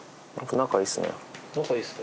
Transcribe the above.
仲いいですね。